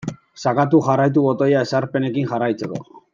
Sakatu jarraitu botoia ezarpenekin jarraitzeko.